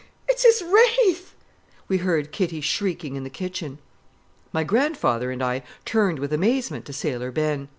It's his wraith!"' we heard Kitty shrieking in the kitchen. My grandfather and I turned with amazement to Sailor Ben.